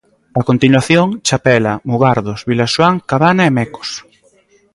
A continuación: Chapela, Mugardos, Vilaxoán, Cabana e Mecos.